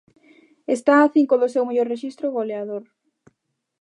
Está a cinco do seu mellor rexistro goleador.